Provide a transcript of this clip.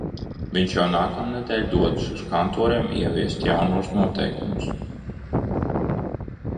Viņš jau nākamnedēļ dodas uz kantoriem ieviest jaunos noteikumus.